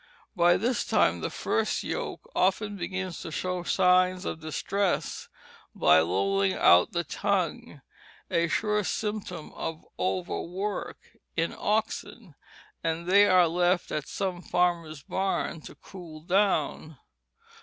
By this time the first yoke often begins to show signs of distress by lolling out the tongue, a sure symptom of overwork in oxen, and they are left at some farmer's barn to cool down.